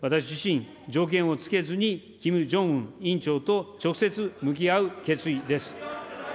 私自身、条件を付けずにキム・ジョンウン委員長と直接向き合う決意です。